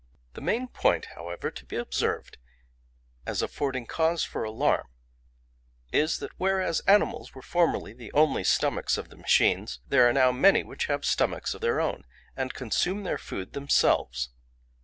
"The main point, however, to be observed as affording cause for alarm is, that whereas animals were formerly the only stomachs of the machines, there are now many which have stomachs of their own, and consume their food themselves.